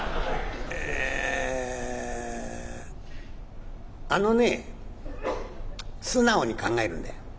「えあのね素直に考えるんだよ。